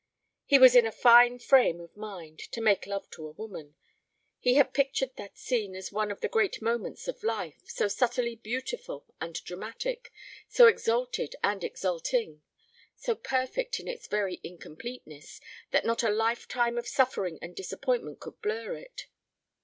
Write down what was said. He was in a fine frame of mind to make love to a woman. He had pictured that scene as one of the great moments of life, so subtly beautiful and dramatic, so exalted and exulting, so perfect in its very incompleteness, that not a lifetime of suffering and disappointment could blur it.